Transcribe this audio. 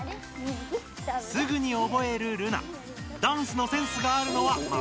すぐにおぼえるルナ。